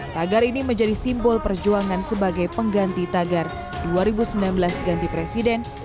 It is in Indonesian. tagar ini menjadi simbol perjuangan sebagai pengganti tagar dua ribu sembilan belas ganti presiden